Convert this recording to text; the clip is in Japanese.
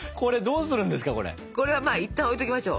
これはまあいったん置いときましょう。